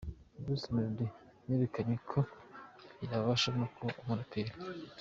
Bruce Melody yerekanye ko yabasha no kuba umuraperi.